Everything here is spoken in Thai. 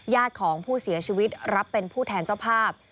ของผู้เสียชีวิตรับเป็นผู้แทนเจ้าภาพ